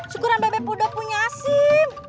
syukuran bebep udah punya sim